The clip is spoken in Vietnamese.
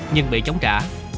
nhưng bị chống trả